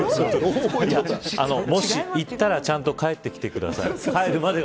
行ったら、ちゃんと帰ってきてください。